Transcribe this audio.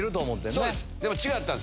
そうです。